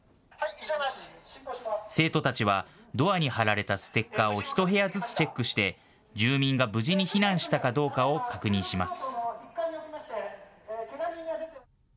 生徒たちはドアに貼られたステッカーを１部屋ずつチェックして住民が無事に避難したかどうかを確認します。